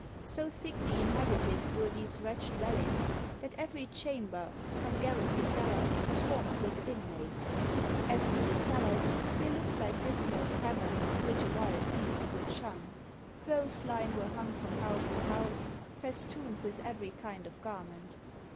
So thickly inhabited were these wretched dwellings, that every chamber, from garret to cellar, swarmed with inmates. As to the cellars, they looked like dismal caverns, which a wild beast would shun. Clothes lines were hung from house to house, festooned with every kind of garment.